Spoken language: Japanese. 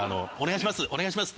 「お願いします。